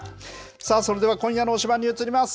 さあ、それでは今夜の推しバンに移ります。